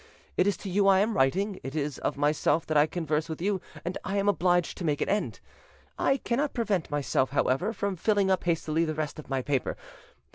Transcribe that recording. It is to you I am writing, it is of myself that I converse with you, and I am obliged to make an end. "I cannot prevent myself, however, from filling up hastily the rest of my paper.